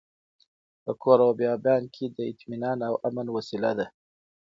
په کور او بيابان کي د اطمئنان او امن وسيله ده.